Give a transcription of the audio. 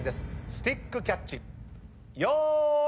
スティックキャッチよーい。